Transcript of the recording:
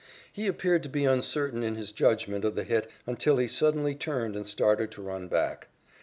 He appeared to be uncertain in his judgment of the hit until he suddenly turned and started to run back.